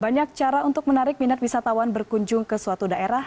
banyak cara untuk menarik minat wisatawan berkunjung ke suatu daerah